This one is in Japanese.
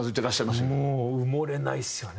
もう埋もれないですよね。